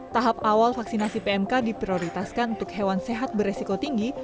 tahap awal vaksinasi pmk diprioritaskan untuk hewan sehat beresiko tinggi